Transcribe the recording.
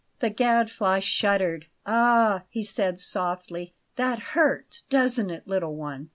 The Gadfly shuddered. "Ah!" he said softly, "that hurts; doesn't it, little one?"